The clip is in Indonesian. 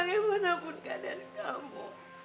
kemana pun keadaan kamu